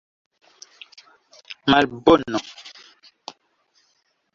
malbono